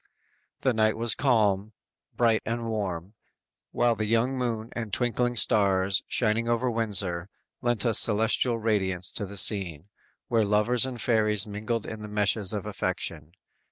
The night was calm, bright and warm, while the young moon and twinkling stars, shining over Windsor, lent a celestial radiance to the scene, where lovers and fairies mingled in the meshes of affection.